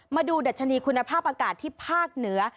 มาดูดัชนีคุณภาพอากาศที่ภาคเหนือ